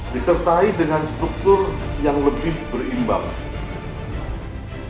disertai dengan struktur yang lebih berimbang